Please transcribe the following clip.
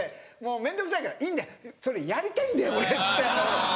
面倒くさいから「いいんだよそれやりたいんだよ俺」って。